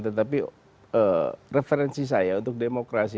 tetapi referensi saya untuk demokrasi